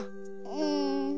うん。